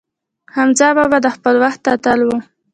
حمزه بابا د خپل وخت اتل و.